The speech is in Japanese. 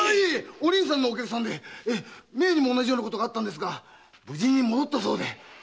お凛さんのお客さんで前にも同じようなことがあったんですが無事に戻ったそうで。